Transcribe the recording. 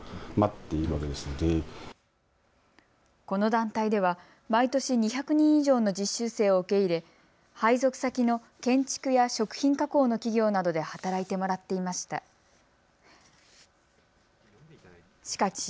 この団体では毎年２００人以上の実習生を受け入れ配属先の建築や食品加工の企業などで働いてもらっていました。